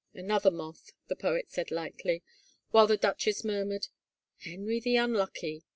" Another moth," the poet said lightly while the duchess murmured, " Henry the Unlucky.